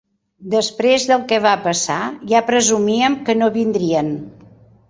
Després del que va passar, ja presumíem que no vindrien.